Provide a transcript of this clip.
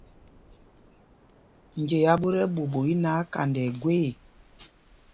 Njea ɓot ɛɓuuɓu í náǎ, kanda ɛ́ gwee ê.